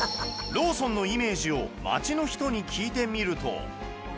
ローソンのイメージを街の人に聞いてみると